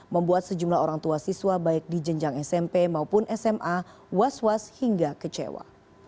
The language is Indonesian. membuat sejumlah orang tua siswa baik di jenjang smp maupun sma was was hingga kecewa